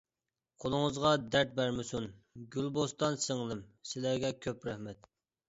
قولىڭىزغا دەرد بەرمىسۇن گۈلبوستان سىڭلىم سىلەرگە كۆپ رەھمەت!